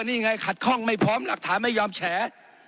นี่ไงขัดข้องไม่พร้อมหลักฐานไม่ยอมแฉ